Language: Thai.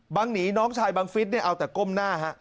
หนีน้องชายบังฟิศเนี่ยเอาแต่ก้มหน้าฮะ